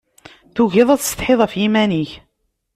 Tugiḍ ad tsetḥiḍ ɣef yiman-ik.